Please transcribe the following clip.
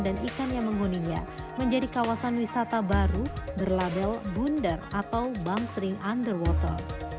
dan ikan yang menghuninya menjadi kawasan wisata baru berlabel bundar atau bangsering underwater